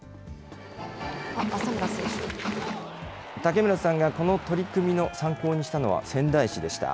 竹村さんがこの取り組みの参考にしたのは仙台市でした。